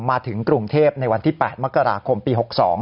มาถึงกรุงเทพในวันที่๘มกราคมปี๖๒